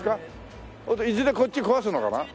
それでいずれこっち壊すのかな？